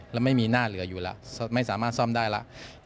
แล้วไม่มีหน้าเหลืออยู่แล้วไม่สามารถซ่อมได้แล้ว